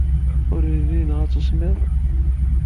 Ur yelli yenɣa-t usemmiḍ.